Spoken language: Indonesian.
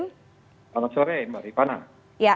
selamat sore mbak ripana